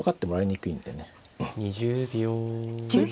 ２０秒。